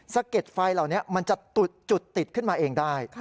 เก็ดไฟเหล่านี้มันจะจุดติดขึ้นมาเองได้